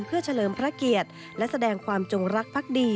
เพื่อเฉลิมพระเกียรติและแสดงความจงรักภักดี